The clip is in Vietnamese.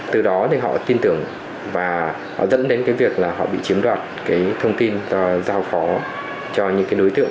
từ đó họ tin tưởng và dẫn đến việc họ bị chiếm đoạt thông tin do giao khó cho những đối tượng